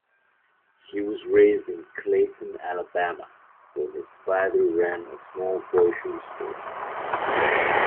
He was raised in Clayton, Alabama, where his father ran a small grocery store.